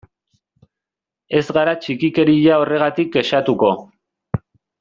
Ez gara txikikeria horregatik kexatuko.